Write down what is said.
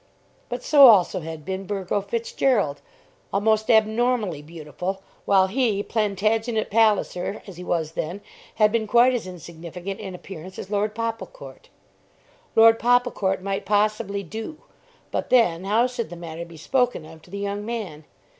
But so also had been Burgo Fitzgerald, almost abnormally beautiful, while he, Plantagenet Palliser, as he was then, had been quite as insignificant in appearance as Lord Popplecourt. Lord Popplecourt might possibly do. But then how should the matter be spoken of to the young man?